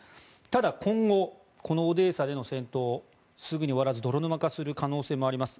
ただ、今後このオデーサでの戦闘すぐに終わらず、泥沼化する可能性もあります。